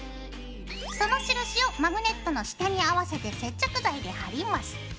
その印をマグネットの下に合わせて接着剤で貼ります。